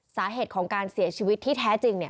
สาเหตุของการเสียชีวิตที่แท้จริง